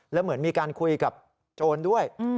แล้วเหมือนมีการคุยกับโจรด้วย